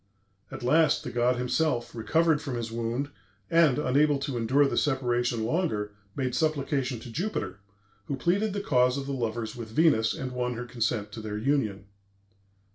At last the god himself, recovered from his wound, and, unable to endure the separation longer, made supplication to Jupiter, who pleaded the cause of the lovers with Venus, and won her consent to their union.